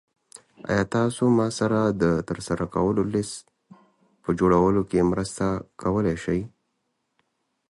ایا تاسو ما سره د ترسره کولو لیست په جوړولو کې مرسته کولی شئ؟